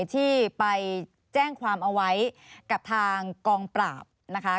ที่ไปแจ้งความเอาไว้กับทางกองปราบนะคะ